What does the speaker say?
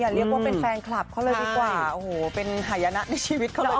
อย่าเรียกว่าเป็นแฟนคลับเขาเลยดีกว่าเป็นหายนะในชีวิตเขาก็ว่าได้